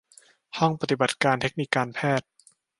ห้องปฏิบัติการเทคนิคการแพทย์